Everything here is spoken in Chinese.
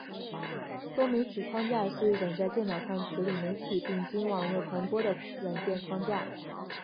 多媒体框架是一种在电脑上处理媒体并经网络传播的软件框架。